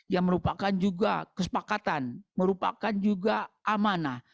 yang merupakan juga kesepakatan merupakan juga amanah